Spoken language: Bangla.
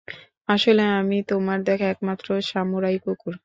আসলে আমি তোমার দেখা একমাত্র সামুরাই কুকুর।